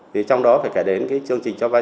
thì trong đó phải kể đến cái chương trình